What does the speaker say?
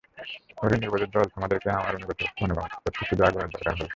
ওরে নির্বোধের দল, তোমাদেরকে আমার অনুগত করতে শুধু আগুনের দরকার হল।